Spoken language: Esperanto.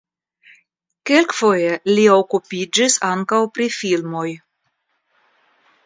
Kelkfoje li okupiĝis ankaŭ pri filmoj.